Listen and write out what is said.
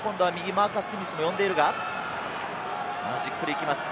マーカス・スミスも呼んでいるがじっくり行きます。